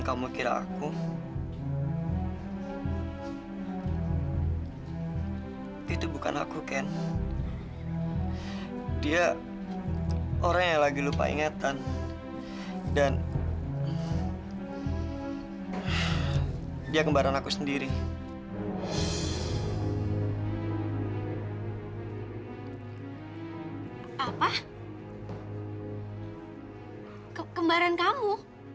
kan pasti ada antara hati yang baik calon diriku